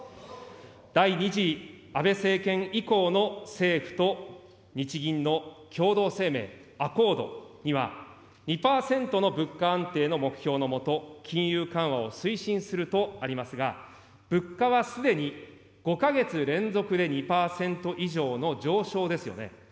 第２次安倍政権以降の政府と日銀の共同声明、アコードには２％の物価安定の目標のもと、金融緩和を推進するとありますが、物価はすでに５か月連続で２％以上の上昇ですよね。